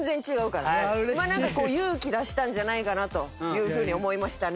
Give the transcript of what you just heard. なんかこう勇気出したんじゃないかなというふうに思いましたね。